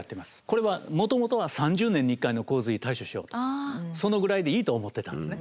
これはもともとは３０年に１回の洪水に対処しようとそのぐらいでいいと思ってたんですね。